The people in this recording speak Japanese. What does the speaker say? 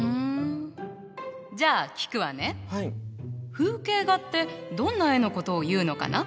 風景画ってどんな絵のことをいうのかな？